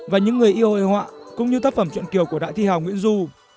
và những người yêu hội họa cũng như tác phẩm chuyện kiều của đại thi hào nguyễn du